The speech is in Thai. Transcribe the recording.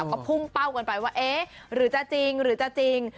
ก็พุ่งเป้ากันไปว่าเอ๊ะหรือจะจริงหรือจะจริง